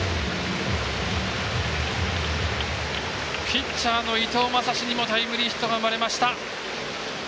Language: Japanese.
ピッチャーの伊藤将司にもタイムリーヒットが生まれました。